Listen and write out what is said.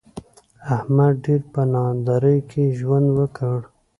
احمد ډېر په نادارۍ کې ژوند وکړ.